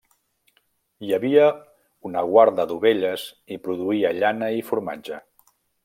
Hi havia una guarda d’ovelles i produïa llana i formatge.